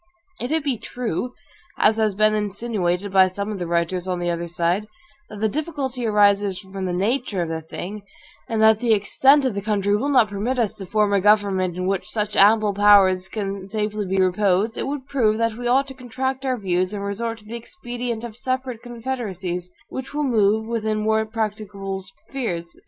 If it be true, as has been insinuated by some of the writers on the other side, that the difficulty arises from the nature of the thing, and that the extent of the country will not permit us to form a government in which such ample powers can safely be reposed, it would prove that we ought to contract our views, and resort to the expedient of separate confederacies, which will move within more practicable spheres.